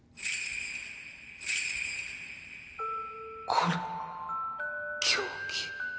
これ凶器